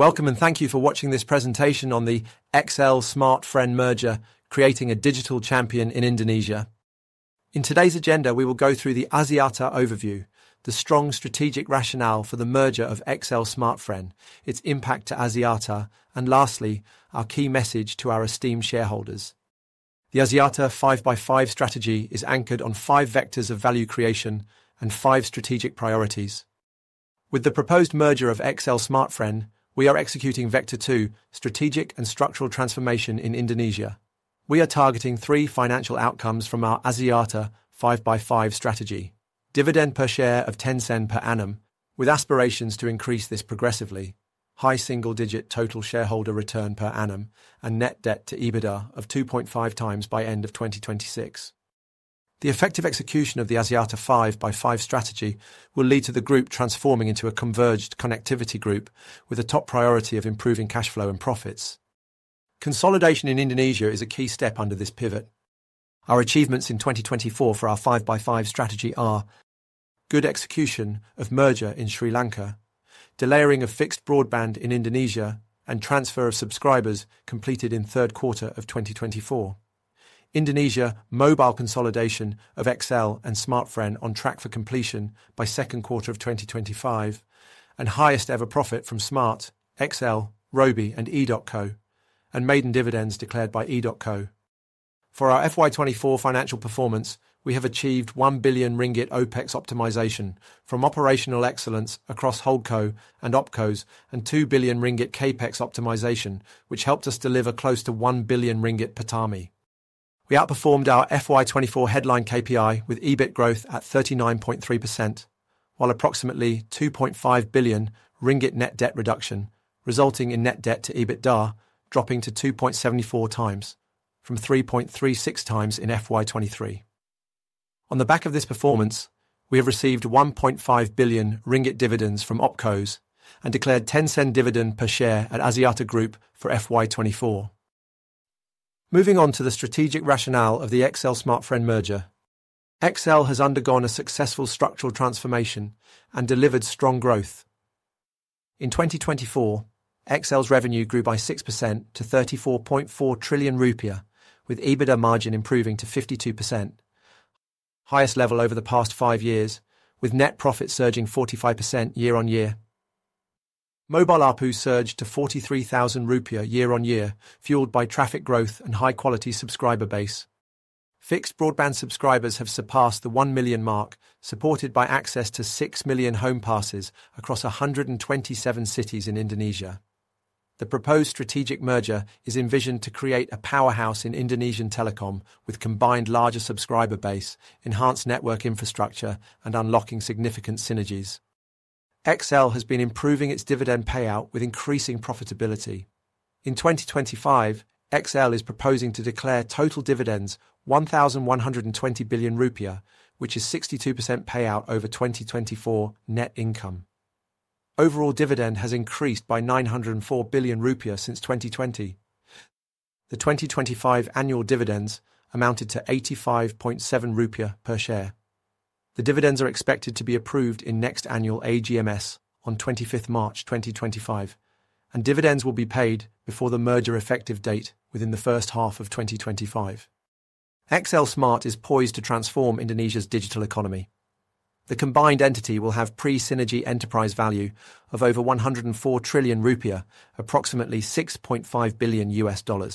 Welcome and thank you for watching this presentation on the XL Smartfren merger: Creating a Digital Champion in Indonesia. In today's agenda, we will go through the Axiata overview, the strong strategic rationale for the merger of XL Smartfren, its impact to Axiata, and lastly, our key message to our esteemed shareholders. The Axiata 5x5 Strategy is anchored on five vectors of value creation and five strategic priorities. With the proposed merger of XL Smartfren, we are executing Vector 2: Strategic and Structural Transformation in Indonesia. We are targeting three financial outcomes from our Axiata 5x5 Strategy: dividend per share of 0.10 per annum, with aspirations to increase this progressively, high single-digit total shareholder return per annum, and net debt to EBITDA of 2.5 times by end of 2026. The effective execution of the Axiata 5x5 strategy will lead to the group transforming into a converged connectivity group, with a top priority of improving cash flow and profits. Consolidation in Indonesia is a key step under this pivot. Our achievements in 2024 for our 5x5 strategy are: good execution of merger in Sri Lanka, delaying of fixed broadband in Indonesia, and transfer of subscribers completed in Q3 2024. Indonesia mobile consolidation of XL and Smartfren on track for completion by Q2 2025, and highest ever profit from Smartfren, XL, Robi, and EDOTCO, and maiden dividends declared by EDOTCO. For our FY24 financial performance, we have achieved RM 1 billion OPEX optimization from operational excellence across WholeCo and OpCos, and RM 2 billion CapEx optimization, which helped us deliver close to RM 1 billion PATAMI. We outperformed our FY 2024 headline KPI with EBIT growth at 39.3%, while approximately RM 2.5 billion net debt reduction, resulting in net debt to EBITDA dropping to 2.74 times from 3.36 times in FY 2023. On the back of this performance, we have received RM 1.5 billion dividends from OpCos and declared 10 cent dividend per share at Axiata Group for FY 2024. Moving on to the strategic rationale of the XL Smartfren merger, XL has undergone a successful structural transformation and delivered strong growth. In 2024, XL's revenue grew by 6% to 34.4 trillion rupiah, with EBITDA margin improving to 52%, highest level over the past five years, with net profit surging 45% year-on-year. Mobile ARPU surged to IDR 43,000 year on year, fueled by traffic growth and high-quality subscriber base. Fixed broadband subscribers have surpassed the 1 million mark, supported by access to 6 million home passes across 127 cities in Indonesia. The proposed strategic merger is envisioned to create a powerhouse in Indonesian telecom, with combined larger subscriber base, enhanced network infrastructure, and unlocking significant synergies. XL has been improving its dividend payout with increasing profitability. In 2025, XL is proposing to declare total dividends 1,120 billion rupiah, which is 62% payout over 2024 net income. Overall dividend has increased by 904 billion rupiah since 2020. The 2025 annual dividends amounted to 85.7 rupiah per share. The dividends are expected to be approved in next annual AGMS on 25 March 2025, and dividends will be paid before the merger effective date within the first half of 2025. XL Smart is poised to transform Indonesia's digital economy. The combined entity will have pre-synergy enterprise value of over 104 trillion rupiah, approximately $6.5 billion.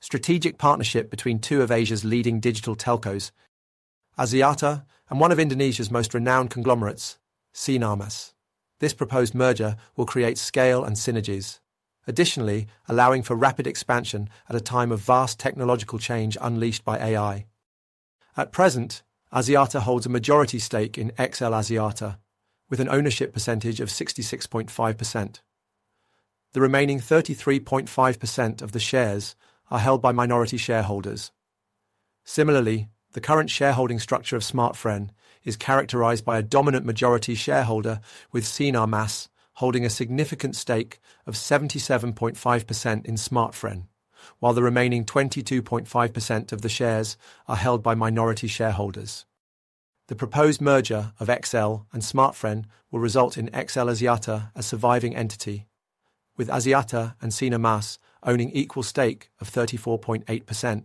Strategic partnership between two of Asia's leading digital telcos, Axiata and one of Indonesia's most renowned conglomerates, Sinar Mas. This proposed merger will create scale and synergies, additionally allowing for rapid expansion at a time of vast technological change unleashed by AI. At present, Axiata holds a majority stake in XL Axiata, with an ownership percentage of 66.5%. The remaining 33.5% of the shares are held by minority shareholders. Similarly, the current shareholding structure of Smartfren is characterized by a dominant majority shareholder, with Sinar Mas holding a significant stake of 77.5% in Smartfren, while the remaining 22.5% of the shares are held by minority shareholders. The proposed merger of XL and Smartfren will result in XL Axiata as surviving entity, with Axiata and Sinar Mas owning equal stake of 34.8%,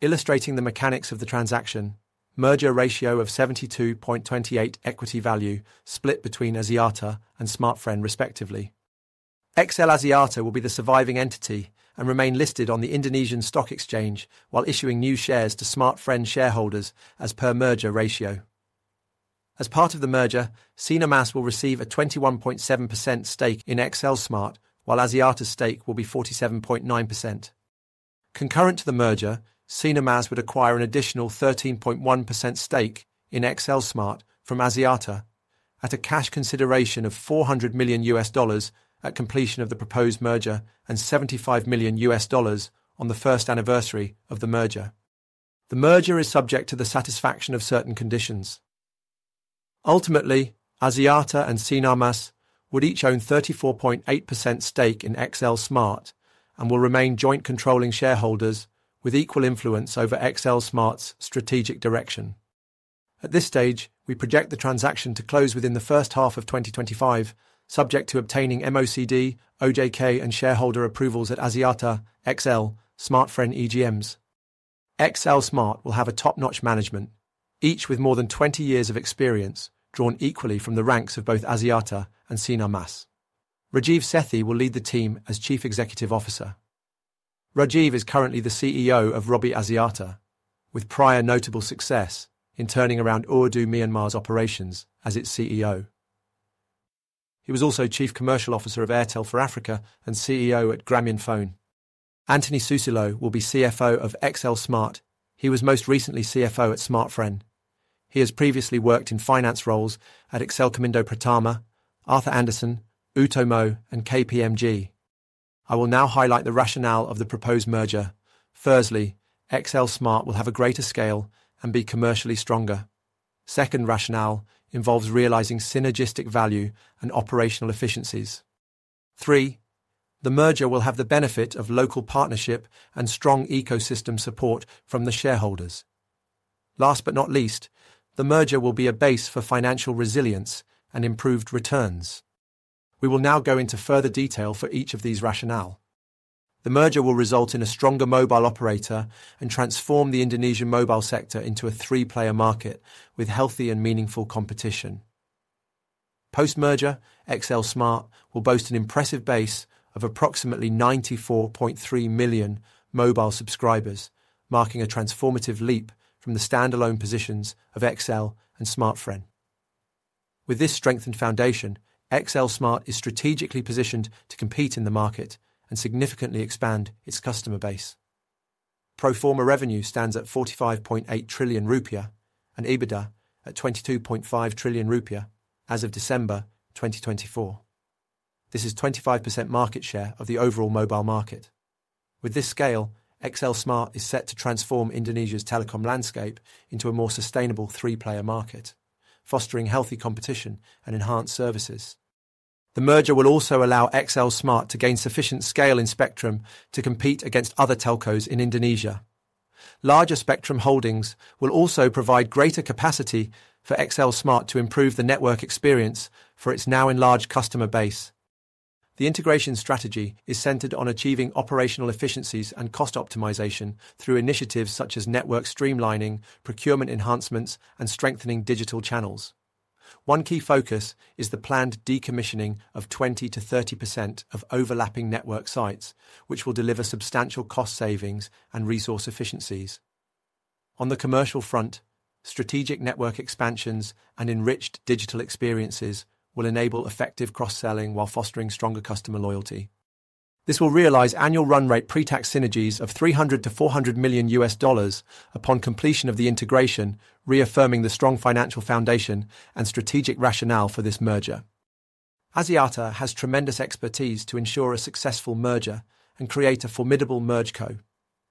illustrating the mechanics of the transaction: merger ratio of 72:28 equity value split between Axiata and Smartfren, respectively. XL Axiata will be the surviving entity and remain listed on the Indonesia Stock Exchange while issuing new shares to Smartfren shareholders as per merger ratio. As part of the merger, Sinar Mas will receive a 21.7% stake in XL Smart, while Axiata's stake will be 47.9%. Concurrent to the merger, Sinar Mas would acquire an additional 13.1% stake in XL Smart from Axiata at a cash consideration of $400 million at completion of the proposed merger and $75 million on the first anniversary of the merger. The merger is subject to the satisfaction of certain conditions. Ultimately, Axiata and Sinar Mas would each own 34.8% stake in XL Smart and will remain joint controlling shareholders with equal influence over XL Smart's strategic direction. At this stage, we project the transaction to close within the first half of 2025, subject to obtaining MOCI, OJK, and shareholder approvals at Axiata, XL Smartfren EGMs. XL Smart will have a top-notch management, each with more than 20 years of experience drawn equally from the ranks of both Axiata and Sinar Mas. Rajiv Sethi will lead the team as Chief Executive Officer. Rajiv is currently the CEO of Robi Axiata, with prior notable success in turning around Ooredoo Myanmar's operations as its CEO. He was also Chief Commercial Officer of Airtel Africa and CEO at Grameenphone. Antony Susilo will be CFO of XL Smart. He was most recently CFO at Smartfren. He has previously worked in finance roles at Excelcomindo Pratama, Arthur Andersen, Prasetio Utomo, and KPMG. I will now highlight the rationale of the proposed merger. Firstly, XL Smart will have a greater scale and be commercially stronger. Second, rationale involves realizing synergistic value and operational efficiencies. Three, the merger will have the benefit of local partnership and strong ecosystem support from the shareholders. Last but not least, the merger will be a base for financial resilience and improved returns. We will now go into further detail for each of these rationale. The merger will result in a stronger mobile operator and transform the Indonesian mobile sector into a three-player market with healthy and meaningful competition. Post-merger, XL Smart will boast an impressive base of approximately 94.3 million mobile subscribers, marking a transformative leap from the standalone positions of XL and Smartfren. With this strengthened foundation, XL Smart is strategically positioned to compete in the market and significantly expand its customer base. Proforma revenue stands at 45.8 trillion and EBITDA at 22.5 trillion as of December 2024. This is 25% market share of the overall mobile market. With this scale, XL Smart is set to transform Indonesia's telecom landscape into a more sustainable three-player market, fostering healthy competition and enhanced services. The merger will also allow XL Smart to gain sufficient scale in spectrum to compete against other telcos in Indonesia. Larger spectrum holdings will also provide greater capacity for XL Smart to improve the network experience for its now enlarged customer base. The integration strategy is centered on achieving operational efficiencies and cost optimization through initiatives such as network streamlining, procurement enhancements, and strengthening digital channels. One key focus is the planned decommissioning of 20%-30% of overlapping network sites, which will deliver substantial cost savings and resource efficiencies. On the commercial front, strategic network expansions and enriched digital experiences will enable effective cross-selling while fostering stronger customer loyalty. This will realize annual run-rate pre-tax synergies of $300 million to $400 million upon completion of the integration, reaffirming the strong financial foundation and strategic rationale for this merger. Axiata has tremendous expertise to ensure a successful merger and create a formidable Merged Co.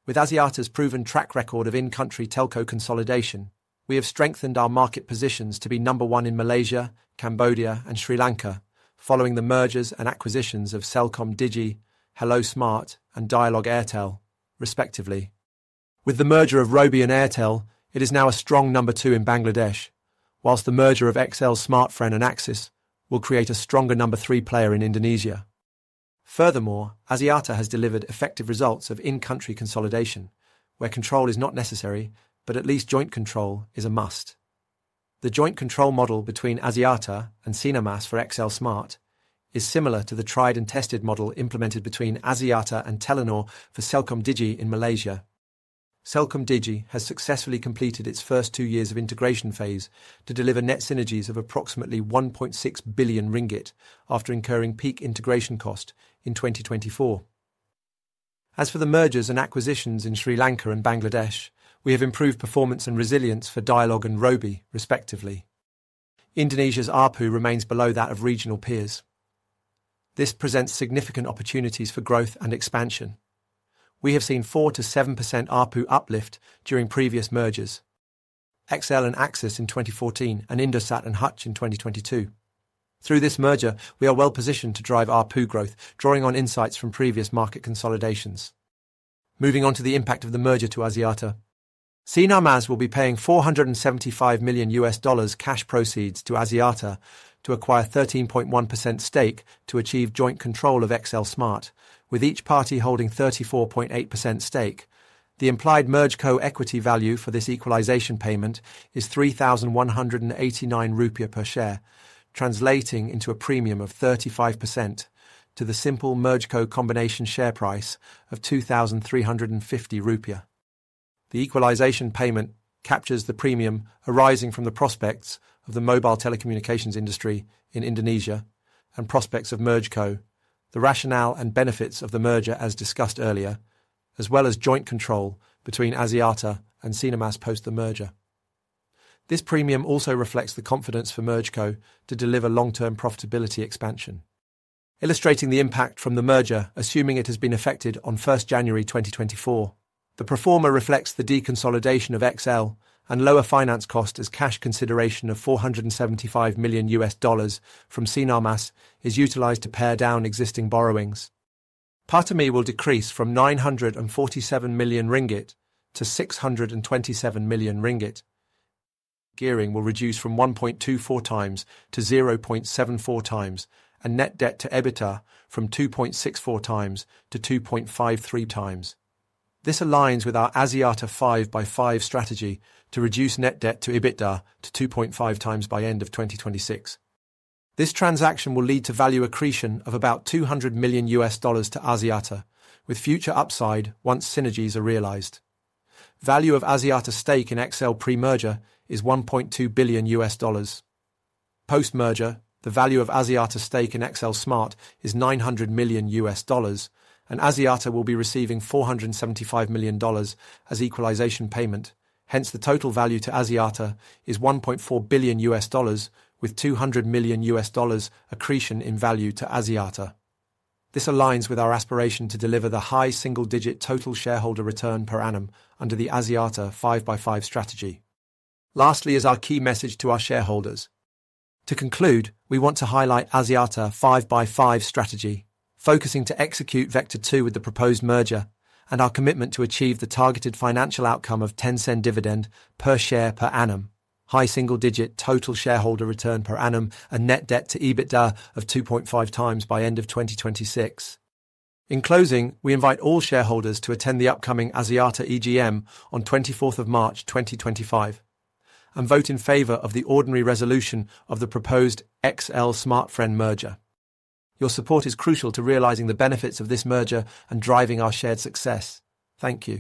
With Axiata's proven track record of in-country telco consolidation, we have strengthened our market positions to be number one in Malaysia, Cambodia, and Sri Lanka, following the mergers and acquisitions of CelcomDigi, Hello-Smart, and Dialog-Airtel, respectively. With the merger of Robi and Airtel, it is now a strong number two in Bangladesh, while the merger of XL Smartfren and AXIS will create a stronger number three player in Indonesia. Furthermore, Axiata has delivered effective results of in-country consolidation, where control is not necessary, but at least joint control is a must. The joint control model between Axiata and Sinar Mas for XL Smart is similar to the tried-and-tested model implemented between Axiata and Telenor for CelcomDigi in Malaysia. CelcomDigi has successfully completed its first two years of integration phase to deliver net synergies of approximately RM 1.6 billion after incurring peak integration cost in 2024. As for the mergers and acquisitions in Sri Lanka and Bangladesh, we have improved performance and resilience for Dialog and Robi, respectively. Indonesia's ARPU remains below that of regional peers. This presents significant opportunities for growth and expansion. We have seen 4%-7% ARPU uplift during previous mergers: XL and Axis in 2014, and Indosat and Hutch in 2022. Through this merger, we are well positioned to drive ARPU growth, drawing on insights from previous market consolidations. Moving on to the impact of the merger to Axiata: Sinar Mas will be paying $475 million cash proceeds to Axiata to acquire 13.1% stake to achieve joint control of XL Smart, with each party holding 34.8% stake. The implied MergeCo equity value for this equalization payment is 3,189 rupiah per share, translating into a premium of 35% to the simple MergeCo combination share price of 2,350 rupiah. The equalization payment captures the premium arising from the prospects of the mobile telecommunications industry in Indonesia and prospects of MergeCo, the rationale and benefits of the merger as discussed earlier, as well as joint control between Axiata and Sinar Mas post the merger. This premium also reflects the confidence for MergeCo to deliver long-term profitability expansion. Illustrating the impact from the merger, assuming it has been effected on 1 January 2024, the pro forma reflects the deconsolidation of XL and lower finance cost as cash consideration of $475 million from Sinar Mas is utilized to pare down existing borrowings. PATAMI will decrease from RM 947 million to RM 627 million. Gearing will reduce from 1.24 times to 0.74 times, and net debt to EBITDA from 2.64 times to 2.53 times. This aligns with our Axiata 5x5 Strategy to reduce net debt to EBITDA to 2.5 times by end of 2026. This transaction will lead to value accretion of about $200 million to Axiata, with future upside once synergies are realized. Value of Axiata stake in XL pre-merger is $1.2 billion. Post-merger, the value of Axiata stake in XL Smart is $900 million, and Axiata will be receiving $475 million as equalization payment. Hence, the total value to Axiata is $1.4 billion, with $200 million accretion in value to Axiata. This aligns with our aspiration to deliver the high single-digit total shareholder return per annum under the Axiata 5x5 Strategy. Lastly, as our key message to our shareholders, to conclude, we want to highlight Axiata 5x5 Strategy, focusing to execute Vector 2 with the proposed merger and our commitment to achieve the targeted financial outcome of target dividend per share per annum, high single-digit total shareholder return per annum, and net debt to EBITDA of 2.5 times by end of 2026. In closing, we invite all shareholders to attend the upcoming Axiata EGM on 24 March 2025 and vote in favor of the ordinary resolution of the proposed XL Smartfren merger. Your support is crucial to realizing the benefits of this merger and driving our shared success. Thank you.